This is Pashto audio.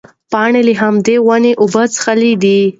پاڼې له همدې ونې اوبه څښلې دي.